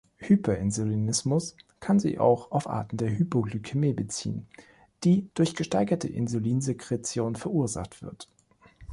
Hyperinsulinismus kann sie auch auf Arten der Hypoglykämie beziehen, die durch gesteigerte Insulinsekretion verursacht wird.